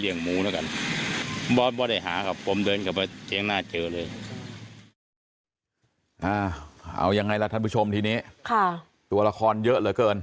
เอายังไงล่ะท่านผู้ชมทีนี้ตัวละครเยอะเหลือเกิน